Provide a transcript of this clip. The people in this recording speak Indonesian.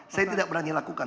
saya tidak berani lakukan